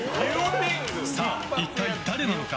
さあ、一体誰なのか？